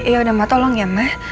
ya udah ma tolong ya ma